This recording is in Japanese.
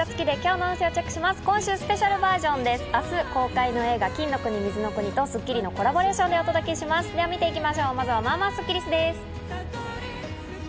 明日金曜日公開の映画『金の国水の国』と『スッキリ』のコラボレーションでお届けしていきます。